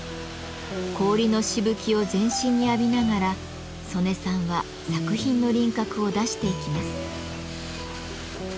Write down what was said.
氷のしぶきを全身に浴びながら曽根さんは作品の輪郭を出していきます。